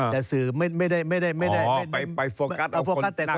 แต่สื่อไม่ได้ไม่ได้ไม่ได้ไปนี่ไปโฟกัสแต่คุณดัง